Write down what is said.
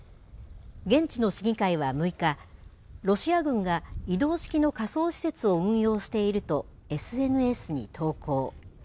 現地の市議会は６日、ロシア軍が移動式の火葬施設を運用しているとＳＮＳに投稿。